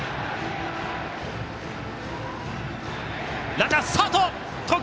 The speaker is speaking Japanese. ランナー、スタート！